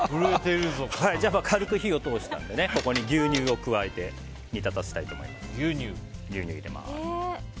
じゃあ、軽く火を通したので牛乳を加えて煮立たせたいと思います。